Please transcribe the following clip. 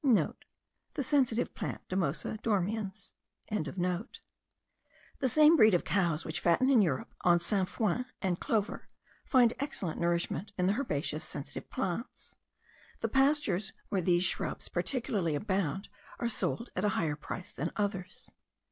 (* The sensitive plant Mimosa dormiens.) The same breed of cows, which fatten in Europe on sainfoin and clover, find excellent nourishment in the herbaceous sensitive plants. The pastures where these shrubs particularly abound are sold at a higher price than others.